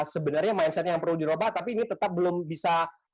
sebenarnya mindsetnya yang perlu dirobah tapi ini tetap belum bisa